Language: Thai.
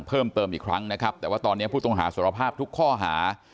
เพิ่มเติมอีกครั้งนะครับแต่ว่าตอนนี้ผู้ต้องหาสารภาพทุกข้อหา